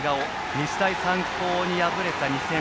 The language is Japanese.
日大三高に敗れた２戦。